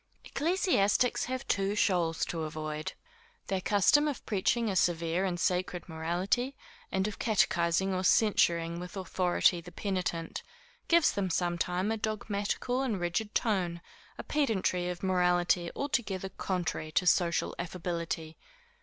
Ecclesiastics have two shoals to avoid. Their custom of preaching a severe and sacred morality, and of catechising or censuring with authority the penitent, gives them sometime a dogmatical and rigid tone, a pedantry of morality altogether contrary to social affability.